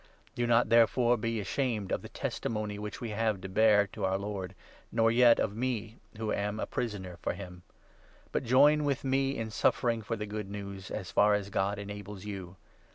Do not, therefore, be ashamed 8 of the testimony which we have to bear to our Lord, nor yet of me who am a prisoner for him ; but join with me in suffering for the Good News, as far as God enables you.